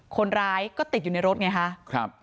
คนร้ายก็ติดอยู่ในรถไงคะ